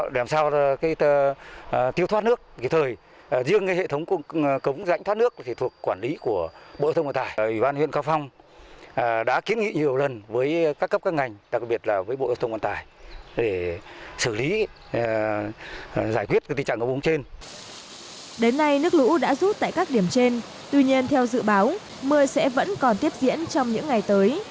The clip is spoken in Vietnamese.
đến nay nước lũ đã rút tại các điểm trên tuy nhiên theo dự báo mưa sẽ vẫn còn tiếp diễn trong những ngày tới